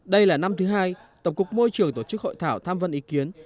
đây là năm thứ hai tổng cục môi trường tổ chức hội thảo tham vấn ý kiến